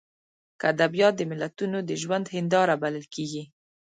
که ادبیات د ملتونو د ژوند هینداره بلل کېږي.